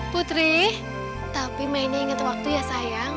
putri tapi mainnya ingat waktu ya sayang